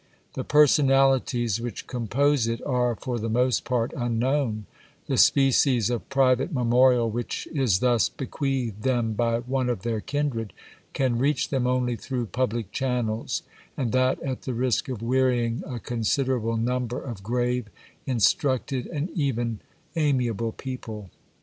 The personalities which compose it are for the most part unknown ; the species of private memorial which is thus bequeathed them by one of their kindred, can reach them only through public channels, and that at the risk of wearying a considerable number of grave, instructed and even amiable people.